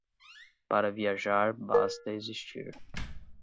Para viajar basta existir.